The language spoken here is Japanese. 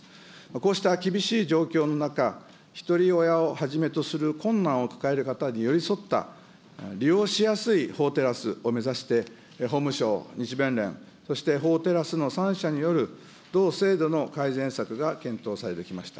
こうした厳しい状況の中、ひとり親をはじめとする困難を抱える方に寄り添った、利用しやすい法テラスを目指して、法務省、日弁連、そして法テラスの３者による同制度の改善策が検討されてきました。